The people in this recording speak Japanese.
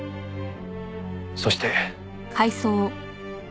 そして。